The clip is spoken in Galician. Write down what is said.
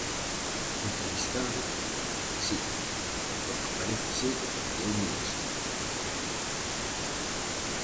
Entrevistado -Si, porque parece ser que eu molesto.